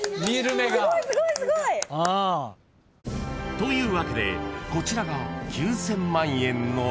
［というわけでこちらが］